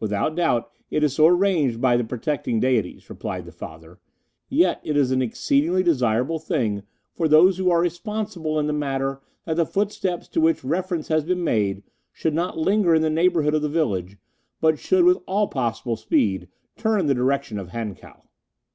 "'Without doubt it is so arranged by the protecting Deities,' replied the father; 'yet it is an exceedingly desirable thing for those who are responsible in the matter that the footsteps to which reference has been made should not linger in the neighbourhood of the village, but should, with all possible speed, turn in the direction of Hankow.